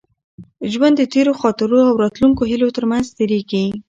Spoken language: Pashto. ژوند د تېرو خاطرو او راتلونکو هیلو تر منځ تېرېږي.